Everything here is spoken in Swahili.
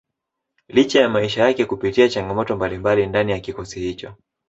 licha ya maisha yake kupitia changamoto mbalimbali ndani ya kikosi hicho